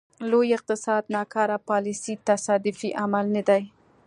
لوی اقتصاد ناکاره پالیسۍ تصادفي عمل نه دی.